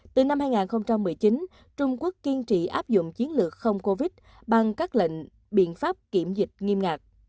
từ năm hai nghìn một mươi chín trung quốc kiên trì áp dụng chiến lược không covid bằng các biện pháp kiểm dịch nghiêm ngạc